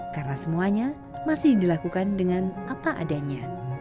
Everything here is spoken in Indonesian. karena semuanya masih dilakukan dengan apa adanya